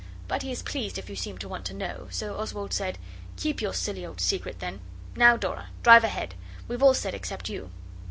But he is pleased if you seem to want to know, so Oswald said 'Keep your silly old secret, then. Now, Dora, drive ahead. We've all said except you.